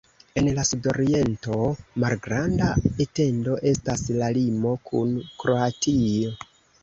En la sudoriento, malgranda etendo estas la limo kun Kroatio.